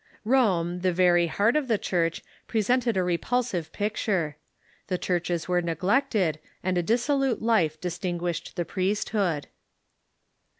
Rome, the very heart of the Church, presented a repulsive ])icture. The churches were neglected, and a dis solute life distinguished the priesthood.